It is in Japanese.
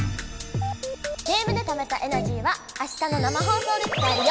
ゲームでためたエナジーはあしたの生放送で使えるよ！